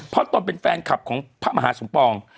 เพราะตนเป็นแฟนคลับของพระมหาสมปอง